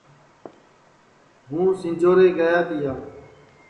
ہُوں سِنجھورے گِیا تِیا